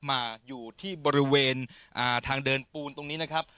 มาอยู่ที่บริเวณทางเดินปูนตรงนี้นะครับ